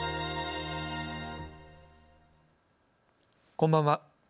こんばんは。